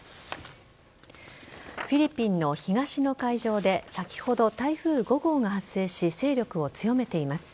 フィリピンの東の海上で先ほど台風５号が発生し勢力を強めています。